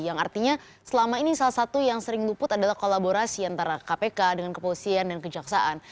yang artinya selama ini salah satu yang sering luput adalah kolaborasi antara kpk dengan kepolisian dan kejaksaan